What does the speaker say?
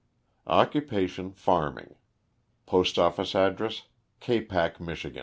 Occupation farming. Postoffice address, Capac, Mich. M.